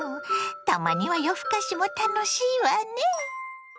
たまには夜ふかしも楽しいわね！